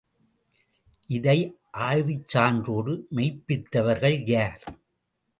இதை ஆய்வுச்சான்றோடு மெய்ப்பித்தவர்கள் யார்?